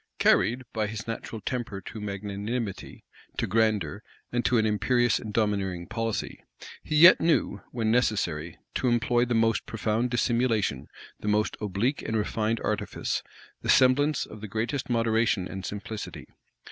Carried by his natural temper to magnanimity, to grandeur, and to an imperious and domineering policy, he yet knew, when necessary, to employ the most profound dissimulation, the most oblique and refined artifice, the semblance of the greatest moderation and simplicity.